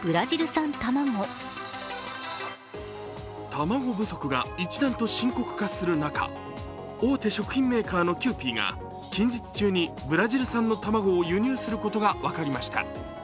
卵不足が一段と深刻化する中、大手食品メーカーのキユーピーが近日中にブラジル産の卵を輸入することが分かりました。